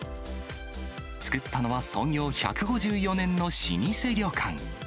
作ったのは創業１５４年の老舗旅館。